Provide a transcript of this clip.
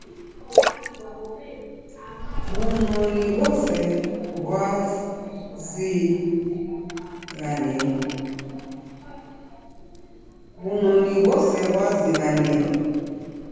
W'unoni ghose ghwazighaniro.